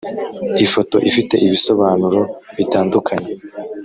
Ifoto ifite ibisobanuro bitandukanye